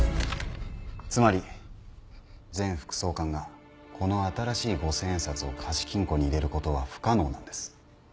つまり前副総監がこの新しい五千円札を貸金庫に入れることは不可能なんです。